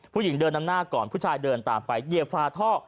ผู้หญิงเดินนำหน้าก่อนผู้ชายเดินตามไปเหยียบฝาท่อ